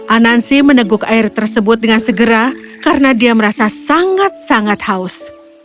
anansi meneguk air tersebut dengan segera karena dia merasa sangat sangat haus